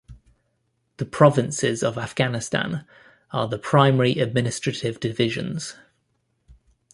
The provinces of Afghanistan are the primary administrative divisions.